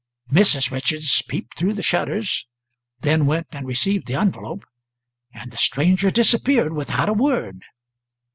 Mrs. Richards peeped through the shutters, then went and received the envelope, and the stranger disappeared without a word.